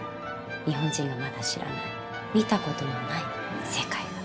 日本人がまだ知らない見たことのない世界。